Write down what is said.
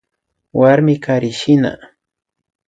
Warmi karishina